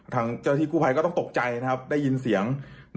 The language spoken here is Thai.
ทางเจ้าที่กู้ภัยก็ต้องตกใจนะครับได้ยินเสียง